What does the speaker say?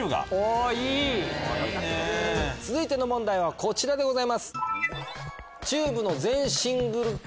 続いての問題はこちらでございます。